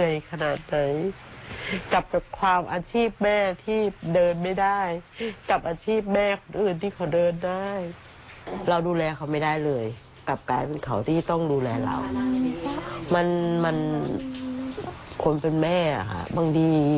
อยากจะทำแต่มันก็ทำไม่ได้มันก็เลยลำบากนิดนึง